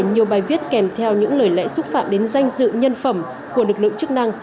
nhiều bài viết kèm theo những lời lẽ xúc phạm đến danh dự nhân phẩm của lực lượng chức năng